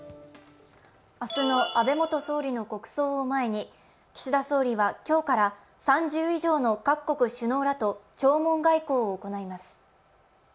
明日の安倍元総理の国葬を前に岸田総理は今日から３０以上の各国首脳らと弔問外交を行います。